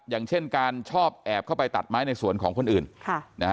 อย่างเช่นชอบแอบเขาไปตัดไม้ในส่วนของคนอื่น